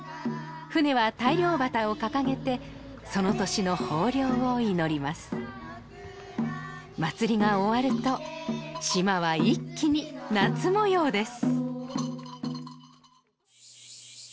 船は大漁旗を掲げてその年の豊漁を祈ります祭りが終わると島は一気に夏もようです